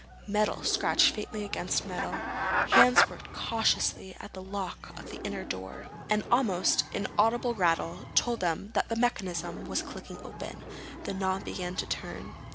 Metal scratched faintly against metal. Hands worked cautiously at the lock of the inner door. An almost inaudible rattle told them that the mechanism was clicking open. The knob began to turn.